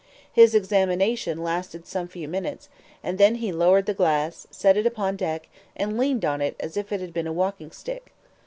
His examination lasted some few minutes, and then he lowered the glass, set it up on deck, and leaned on it as if it had been a walking stick.